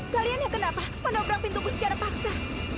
kalian yang kenapa menobrak pintuku secara paksa